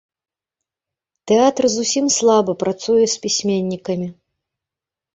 Тэатр зусім слаба працуе з пісьменнікамі.